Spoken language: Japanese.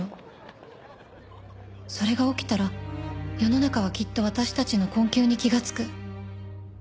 「それが起きたら世の中はきっと私たちの困窮に気がつく」